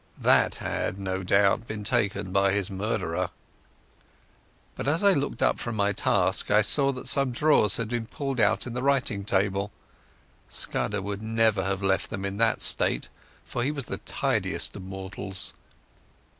That had no doubt been taken by his murderer. But as I looked up from my task I saw that some drawers had been pulled out in the writing table. Scudder would never have left them in that state, for he was the tidiest of mortals.